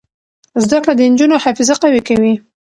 زده کړه د نجونو حافظه قوي کوي.